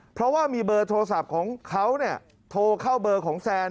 เพราะว่ามีเบอร์โทรศัพท์ของเขาโทรเข้าเบอร์ของแซน